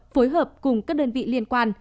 phối hợp cùng các đơn vị liên quan